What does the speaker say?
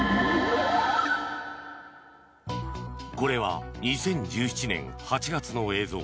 これは、２０１７年８月の映像。